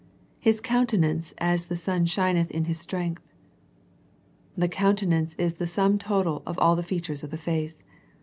"' His countenance as the sun shineth in his strength/^ The countenance is the sum total of all the features of the face.